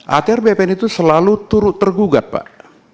atr bpn itu selalu turut tergugat pak